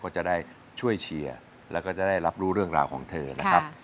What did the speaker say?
ก็จะได้ช่วยเชียร์แล้วก็จะได้รับรู้เรื่องราวของเธอนะครับ